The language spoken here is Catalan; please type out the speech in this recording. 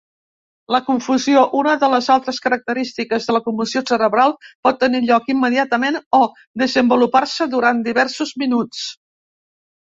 La confusió, una de les altres característiques de la commoció cerebral, pot tenir lloc immediatament o desenvolupar-se durant diversos minuts.